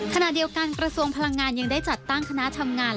ขณะเดียวกันกระทรวงพลังงานยังได้จัดตั้งคณะทำงาน